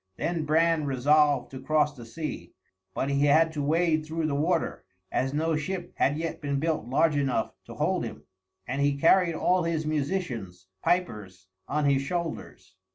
Then Bran resolved to cross the sea, but he had to wade through the water, as no ship had yet been built large enough to hold him; and he carried all his musicians (pipers) on his shoulders.